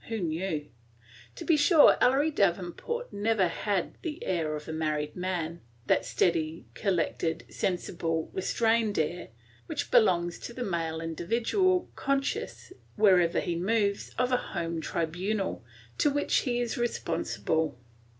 Who knew? To be sure, Ellery Davenport never had the air of a married man, – that steady, collected, sensible, restrained air which belongs to the male individual, conscious, wherever he moves, of a home tribunal, to which he is responsible.